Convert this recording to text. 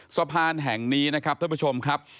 สะพานแห่งนี้นะครับท่านผู้ชมครับ